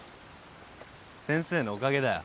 先生のおかげだよ。